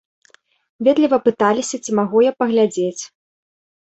Ветліва пыталіся, ці магу я паглядзець.